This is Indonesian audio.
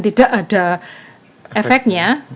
tidak ada efeknya